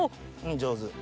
上手。